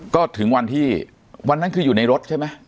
ก็ถึงวันที่วันนั้นคืออยู่ในรถใช่ไหม